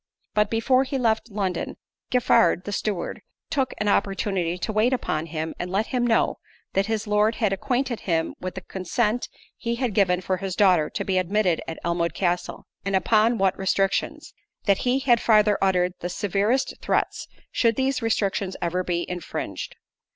But before he left London, Giffard, the steward, took an opportunity to wait upon him, and let him know, that his Lord had acquainted him with the consent he had given for his daughter to be admitted at Elmwood Castle, and upon what restrictions: that he had farther uttered the severest threats, should these restrictions ever be infringed.